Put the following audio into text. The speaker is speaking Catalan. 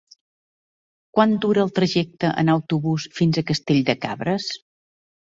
Quant dura el trajecte en autobús fins a Castell de Cabres?